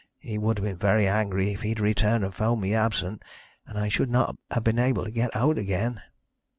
He would have been very angry if he had returned and found me absent, and I should not have been able to get out again.